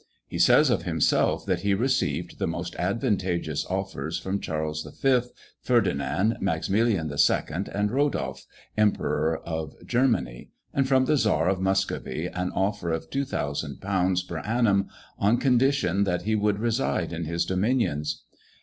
He says of himself, that he received the most advantageous offers from Charles V., Ferdinand, Maximilian II., and Rodolph, emperor of Germany; and from the czar of Muscovy an offer of 2000_l._ per annum, on condition that he would reside in his dominions.